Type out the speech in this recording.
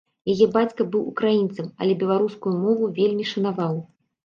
Яе бацька быў украінцам, але беларускую мову вельмі шанаваў.